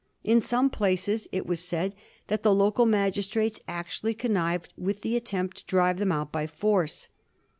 In some places it was said that the local magistrates actually connived with the attempt to drive them out by force.